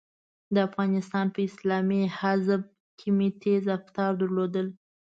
د افغانستان په اسلامي حزب کې مې تېز افکار درلودل.